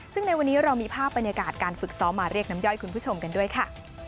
ซึ่งในวันนี้เรามีภาพบรรยากาศการฝึกซ้อมมาเรียกน้ำย่อยคุณผู้ชมกันด้วยค่ะ